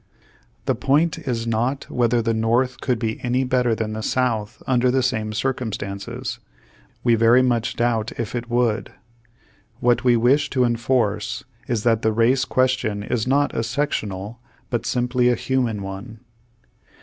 The point is not whether the North would be any better than the South under the same circum stances. We very much doubt if it would. What we v.'ish to enforce is, that the race question is not a sectional, but simply a human one.